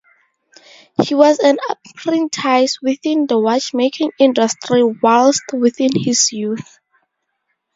He was an apprentice within the watch making industry whilst within his youth.